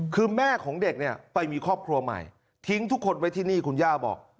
คือแม่ของเด็กเนี่ยไปมีครอบครัวใหม่ทิ้งทุกคนไว้ที่นี่คุณย่าบอก